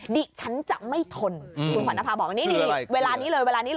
ดิฉันจะไม่ทนคุณขวัญนภาบอกนี่เวลานี้เลย